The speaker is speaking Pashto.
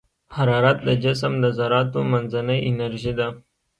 حرارت د جسم د ذراتو منځنۍ انرژي ده.